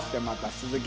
鈴木。